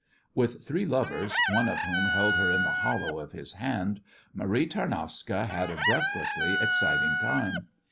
With three lovers, one of whom held her in the hollow of his hand, Marie Tarnowska had a breathlessly exciting time.